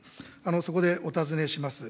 そこでお尋ねします。